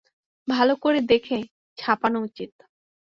ভাল করে দেখে ছাপান উচিত।